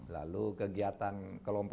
lalu kegiatan keluarga